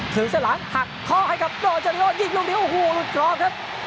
ถึงสระหลังหักท้อให้ครับโดนเจอร์เลี่ยวยิงลงที่โอ้โหหลุดครอบครับ